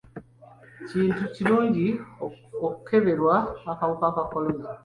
Kintu kirungi okukeberwa akawuka ka kolona.